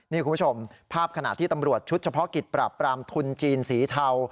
นี่คุณผู้ชมภาพขณะที่ตำรวจชุดเฉพาะกิจปราบปรามทุนจีนสีเทา